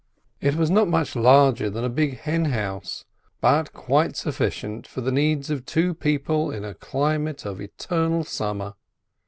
It was not much larger than a big hen house, but quite sufficient for the needs of two people in a climate of eternal summer.